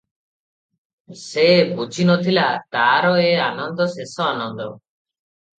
ସେ ବୁଝି ନଥିଲା, ତାର ଏ ଆନନ୍ଦ ଶେଷ ଆନନ୍ଦ ।